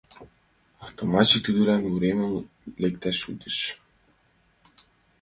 Автоматчик тудлан уремыш лекташ шӱдыш.